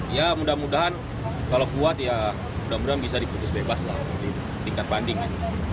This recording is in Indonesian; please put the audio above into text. ya mudah mudahan kalau kuat ya mudah mudahan bisa diputus bebas lah di tingkat banding